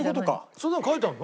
そんなの書いてあるの？